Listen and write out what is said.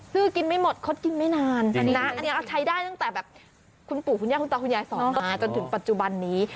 ซื้อกินไม่หมดคดกินไม่นานอันนี้เอาใช้ได้ตั้งแต่แบบคุณปู่คุณย่าคุณตาคุณยายสอนมาจนถึงปัจจุบันนี้